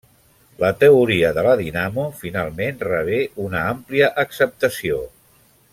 La teoria de la dinamo finalment rebé una àmplia acceptació.